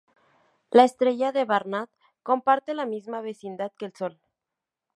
La estrella de Barnard comparte la misma vecindad que el Sol.